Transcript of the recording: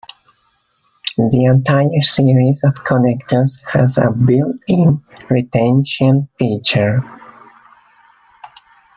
The entire series of connectors has a built-in retention feature.